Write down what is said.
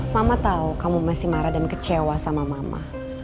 mama tahu kamu masih marah dan kecewa sama mama